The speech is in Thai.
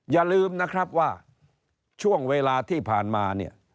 อย่าลืมนะครับว่าช่วงเวลาที่ผ่านมาเนี่ย